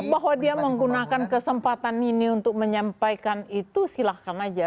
bahwa dia menggunakan kesempatan ini untuk menyampaikan itu silahkan aja